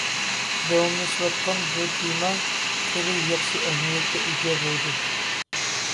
داۋاملىشىۋاتقان بۇ تېما خېلى ياخشى ئەھمىيەتكە ئىگە بولدى.